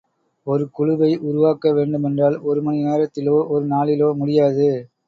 ஒரு குழுவை உருவாக்க வேண்டுமென்றால், ஒரு மணி நேரத்திலோ, ஒரு நாளிலோ முடியாது.